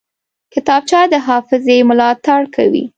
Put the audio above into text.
کتابچه د حافظې ملاتړ کوي